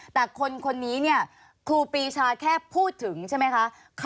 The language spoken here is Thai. แต่คนนี้เนี่ยครูปีชาแค่พูดถึงใช่ไหมคะ